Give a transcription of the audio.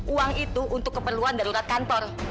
uang itu untuk keperluan darurat kantor